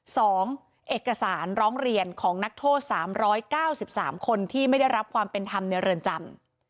เอกสารร้องเรียนของนักโทษสามร้อยเก้าสิบสามคนที่ไม่ได้รับความเป็นธรรมในเรือนจำ